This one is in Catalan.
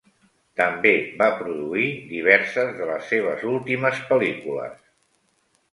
També va produir diverses de les seves últimes pel·lícules.